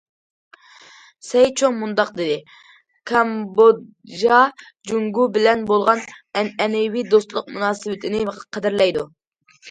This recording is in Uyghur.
سەي چوڭ مۇنداق دېدى: كامبودژا جۇڭگو بىلەن بولغان ئەنئەنىۋى دوستلۇق مۇناسىۋىتىنى قەدىرلەيدۇ.